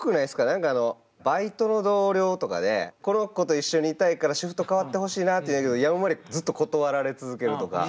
何かあのバイトの同僚とかでこの子と一緒にいたいからシフト替わってほしいなって言うんやけどやんわりずっと断られ続けるとか。